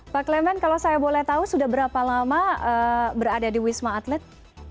pak clement kalau saya boleh tahu sudah berapa lama berada di wisma atlet